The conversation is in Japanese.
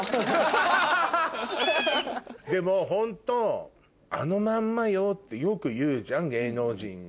でもホントあのまんまよってよく言うじゃん。